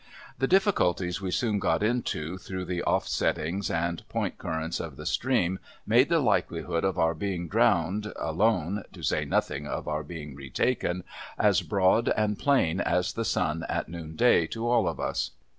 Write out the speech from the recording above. The difficulties we soon got into, through the off settings and point currents of the stream, made the likelihood of our being drowned, alone — to say nothing of our being retaken — as broad and plain as the sun at noonday to all of us.